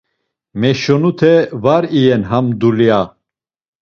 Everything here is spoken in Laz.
Meşonute var iyen ham dulya!